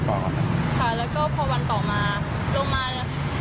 ค่ะแล้วก็พอวันต่อมาลงมาเนี่ย